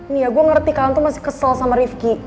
nih ya gue ngerti kalian tuh masih kesel sama rifki